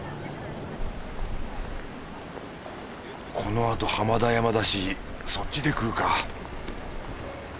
このあと浜田山だしそっちで食うか